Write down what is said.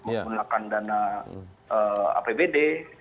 menggunakan dana apbd